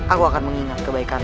aku akan mengingat kebaikanmu